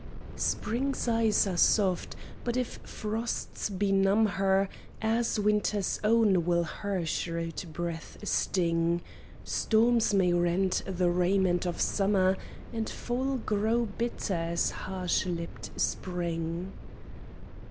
Spring's eyes are soft, but if frosts benumb her As winter's own will her shrewd breath sting: Storms may rend the raiment of summer, And fall grow bitter as harsh lipped spring.